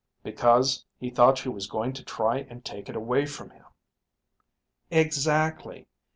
"Because he thought she was going to try and take it away from him." "Exactly.